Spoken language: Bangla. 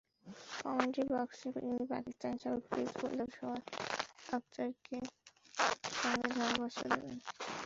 কমেন্ট্রি বক্সে তিনি পাকিস্তানি সাবেক পেস বোলার শোয়েব আকতারের সঙ্গে ধারাভাষ্য দেবেন।